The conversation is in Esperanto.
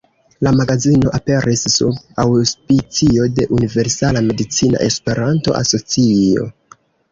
La magazino aperis sub aŭspicio de Universala Medicina Esperanto-Asocio.